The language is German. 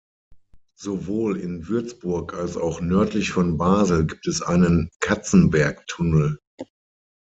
Sowohl in Würzburg als auch nördlich von Basel gibt es einen Katzenbergtunnel.